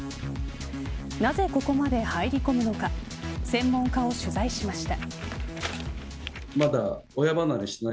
なぜここまで入り込むのか専門家を取材しました。